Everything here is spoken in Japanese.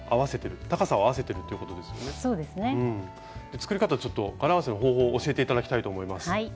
作り方柄合わせの方法を教えて頂きたいと思います。